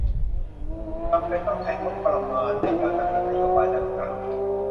จำเป็นต้องใช้งบประมาณ ในการดำเนินนโยบายดังกล่าว